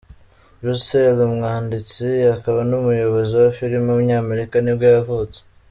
Russell, umwanditsi akaba n’umuyobozi wa filime w’umunyamerika nibwo yavutse.